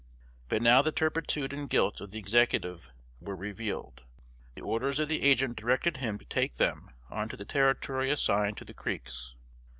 But now the turpitude and guilt of the Executive were revealed. The orders of the agent directed him to take them on to the territory assigned to the Creeks.